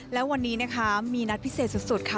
แล้ววันนี้นะคะมีนัดพิเศษสุดค่ะ